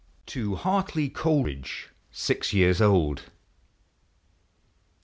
TO HARTLEY COLERIDGE. SIX YE AUS OLD.